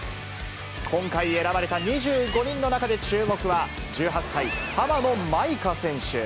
今回選ばれた２５人の中で注目は、１８歳、浜野まいか選手。